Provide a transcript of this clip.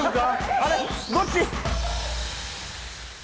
あれっどっち？